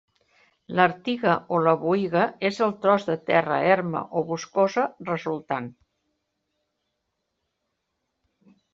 L'artiga o la boïga és el tros de terra erma o boscosa resultant.